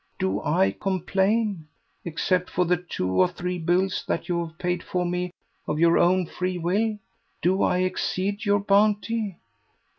Do I complain? Except for the two or three bills that you have paid for me of your own free will, do I exceed your bounty?"